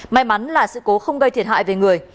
may mắn là sự cố không gây thiệt hại về người